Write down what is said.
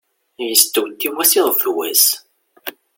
Yestewtiw-as iḍ d wass.